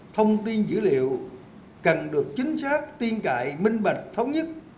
thông tin dữ liệu cần được chính xác tiên cại minh bạch thống nhất